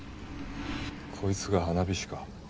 こいつが花火師か？